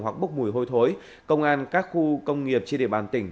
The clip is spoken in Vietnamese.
hoặc bốc mùi hôi thối công an các khu công nghiệp trên địa bàn tỉnh